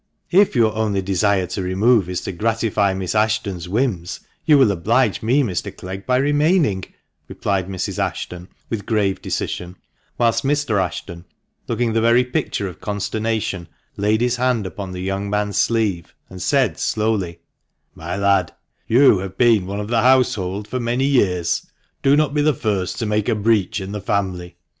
" If your only desire to remove is to gratify Miss Ashton's whims, you will oblige me, Mr. Clegg, by remaining," replied Mrs. Ashton, with grave decision ; whilst Mr. Ashton, looking the very picture of consternation, laid his hand upon the young man's sleeve, and said slowly —" My lad, you have been one of the household for many years ; do not be the first to make a breach in the family.